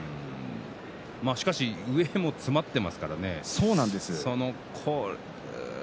しかし上も詰まっていますからね。